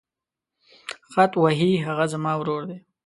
خط وهي هغه زما ورور دی.